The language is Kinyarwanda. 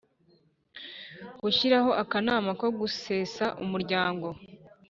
Gushyiraho Akanama ko gusesa Umuryango